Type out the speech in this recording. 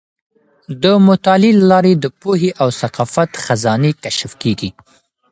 د مطالعې له لارې د پوهې او ثقافت خزانې کشف کیږي.